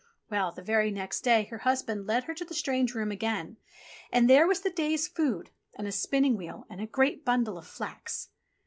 Well, the very next day her husband led her to the strange room again, and there was the day's food, and a spinning wheel and a great bundle of flax.